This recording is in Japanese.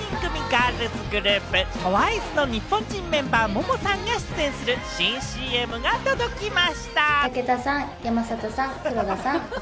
ガールズグループ・ＴＷＩＣＥの日本人メンバー、モモさんが出演する新ＣＭが届きました。